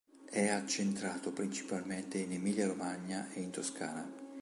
È accentrato principalmente in Emilia-Romagna e in Toscana.